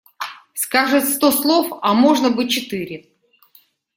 Скажет сто слов, а можно бы четыре.